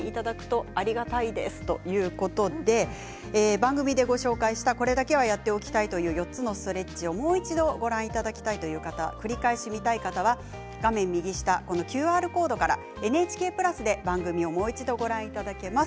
番組でご紹介したこれだけはやっておきたいという４つのストレッチをもう一度、ご覧いただきたいという方、繰り返し見たい方は画面右下ＱＲコードからＮＨＫプラスで番組をもう一度ご覧にいただけます。